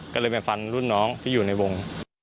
ก็เลยไปฟันรุ่นน้องที่อยู่ในวง